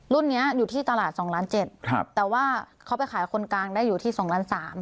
รุ่นนี้อยู่ที่ตลาด๒ล้าน๗แต่ว่าเขาไปขายคนกลางได้อยู่ที่๒ล้านสาม